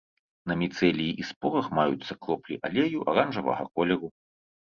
На міцэліі і спорах маюцца кроплі алею аранжавага колеру.